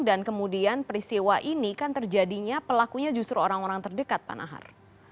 dan kemudian peristiwa ini kan terjadinya pelakunya justru orang orang terdekat pak nahar